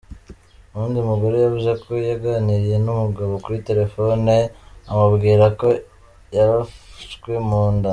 Uwundi mugore yavuze ko yaganiriye n'umugabo kuri telefone amubwira ko yarashwe mu nda.